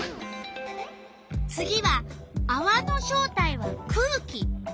次は「あわの正体は空気」。